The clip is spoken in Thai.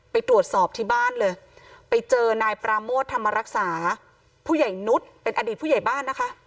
ไปตรวจสอบที่บ้านเลยไปเจอนายปราโมทธรรมรักษาผู้ใหญ่นุษย์เป็นอดีตผู้ใหญ่บ้านนะคะ